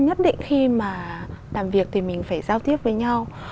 nhất định khi mà làm việc thì mình phải giao tiếp với nhau